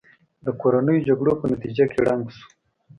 د کورنیو جګړو په نتیجه کې ړنګ شو.